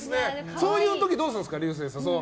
そういう時、どうするんですか？